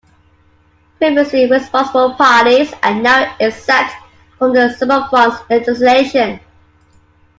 Previously responsible parties are now exempt from the Superfund's legislation.